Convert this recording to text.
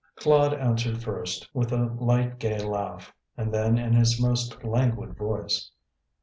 Claude answered first with a light gay laugh, and then in his most languid voice.